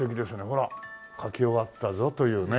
ほら書き終わったぞというね。